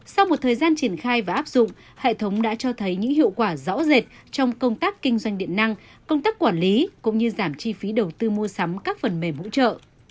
sau một thời gian triển khai và áp dụng hệ thống đã cho thấy những hiệu quả rõ rệt trong công tác kinh doanh điện năng công tác quản lý cũng như giảm chi phí đầu tư mua sắm các phần mềm hỗ trợ